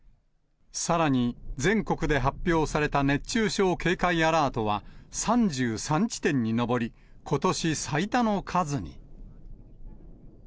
さらに全国で発表された熱中症警戒アラートは、３３地点に上り、ことし最多の数に。